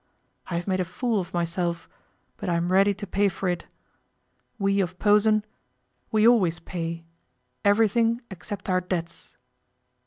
I have made a fool of myself, but I am ready to pay for it. We of Posen we always pay everything except our debts.